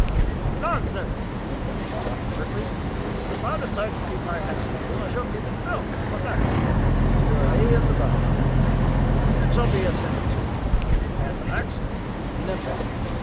"Nonsense!" said Vincent Jopp, curtly. "If I decide to keep my head still, I shall keep it still. What next?" "Keep yer ee on the ba'." "It shall be attended to. And the next?" "Dinna press."